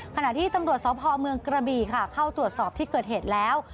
ขณะที่ตำรวจสพเมืองกระบีค่ะเข้าตรวจสอบที่เกิดเหตุแล้ว